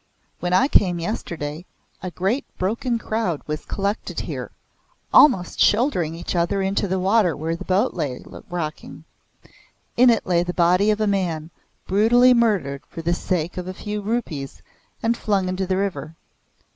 "When I came yesterday, a great broken crowd was collected here, almost shouldering each other into the water where a boat lay rocking. In it lay the body of a man brutally murdered for the sake of a few rupees and flung into the river.